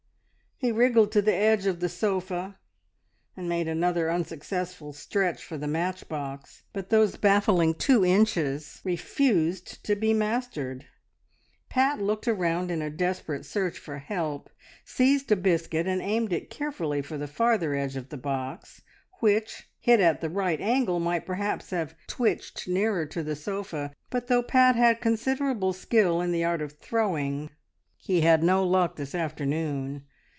He wriggled to the edge of the sofa, and made another unsuccessful stretch for the matchbox, but those baffling two inches refused to be mastered. Pat looked around in a desperate search for help, seized a biscuit, and aimed it carefully for the farther edge of the box, which, hit at the right angle, might perhaps have been twitched nearer to the sofa, but though Pat had considerable skill in the art of throwing, he had no luck this afternoon.